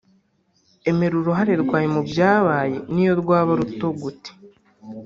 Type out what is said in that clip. emera uruhare rwawe mu byabaye n’iyo rwaba ruto gute